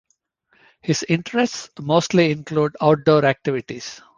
His interests mostly include outdoor activities.